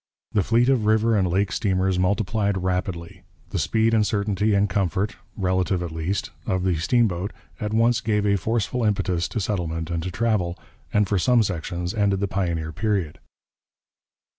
The fleet of river and lake steamers multiplied rapidly. The speed and certainty and comfort relative, at least of the steamboat at once gave a forceful impetus to settlement and to travel, and for some sections ended the pioneer period.